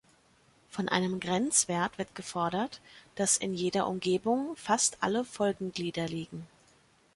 Von einem "Grenzwert" wird gefordert, dass in jeder Umgebung fast alle Folgenglieder liegen.